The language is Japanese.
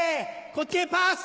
こっちへパス！